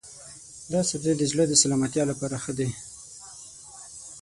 دا سبزی د زړه د سلامتیا لپاره ښه دی.